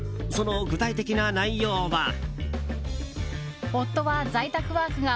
その具体的な内容は。